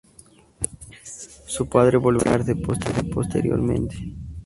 Su padre volvería a casarse posteriormente.